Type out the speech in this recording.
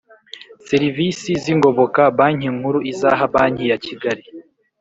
serivisi z ingoboka Banki Nkuru izaha banki ya kigali